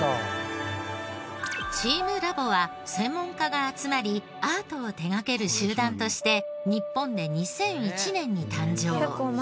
チームラボは専門家が集まりアートを手掛ける集団として日本で２００１年に誕生。